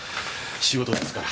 仕事ですから。